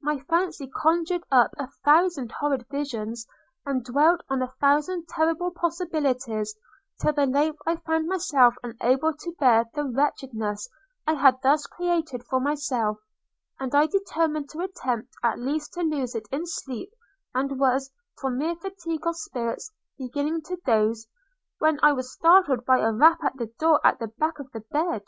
My fancy conjured up a thousand horrid visions, and dwelt on a thousand terrible possibilities, till at length I found myself unable to bear the wretchedness I had thus created for myself, and I determined to attempt at least to lose it in sleep and was, from mere fatigue of spirits, beginning to doze, when I was startled by a rap at the door at the back of the bed.